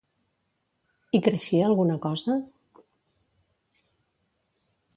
Hi creixia alguna cosa?